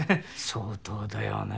相当だよね